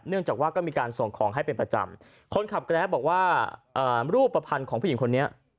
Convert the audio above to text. จากว่าก็มีการส่งของให้เป็นประจำคนขับแกรปบอกว่ารูปภัณฑ์ของผู้หญิงคนนี้